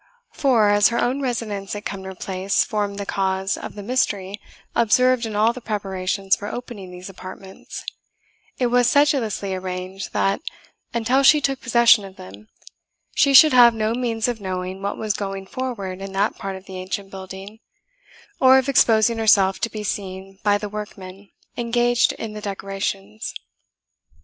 For, as her own residence at Cumnor Place formed the cause of the mystery observed in all the preparations for opening these apartments, it was sedulously arranged that, until she took possession of them, she should have no means of knowing what was going forward in that part of the ancient building, or of exposing herself to be seen by the workmen engaged in the decorations.